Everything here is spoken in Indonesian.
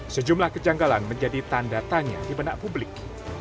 sejumlah kejanggalan menjadi tanda tanya di benak publik